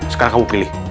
sekarang kamu pilih